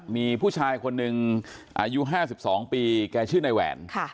มีผู้ชายคนหนึ่งอายุ๕๒ปีแกชื่อนายแหวน